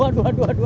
aduh aduh aduh